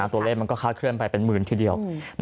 ตัวเลขมันก็คาดเคลื่อนไปเป็นหมื่นทีเดียว